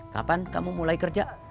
kapan kamu mulai kerja